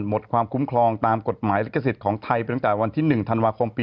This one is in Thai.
หมดความคุ้มครองตามกฎหมายลิขสิทธิ์ของไทยไปตั้งแต่วันที่๑ธันวาคมปี๒